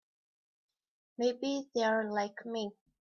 Maybe they're like me.